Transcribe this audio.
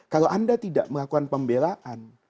kalau anda tidak melakukan pembelaan